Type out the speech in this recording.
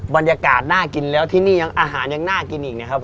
บรรยากาศน่ากินแล้วที่นี่ยังอาหารยังน่ากินอีกนะครับ